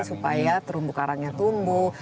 supaya terumbu karangnya tumbuh